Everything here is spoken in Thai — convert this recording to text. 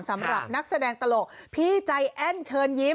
สำหรับนักแสดงตลกพี่ใจแอ้นเชิญยิ้ม